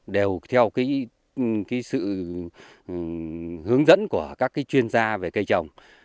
đều theo cái sự hướng dẫn của các cái chuyên gia về cây trồng